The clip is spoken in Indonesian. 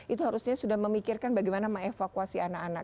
itu harusnya sudah memikirkan bagaimana me evakuasi anak anak